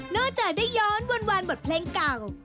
จากได้ย้อนวนบทเพลงเก่า